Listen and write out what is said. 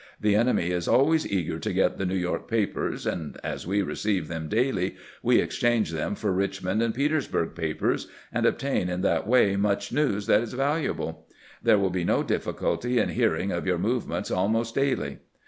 The enemy is always eager to get the New York papers, and as we receive them daily, we exchange them for Eichmond and Peters burg papers, and obtain in that way much news that is valuable. There wiU be no difficulty in hearing of your movements almost daily."